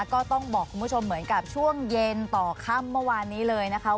ก็ต้องบอกคุณผู้ชมเหมือนกับช่วงเย็นต่อค่ำเมื่อวานนี้เลยนะคะ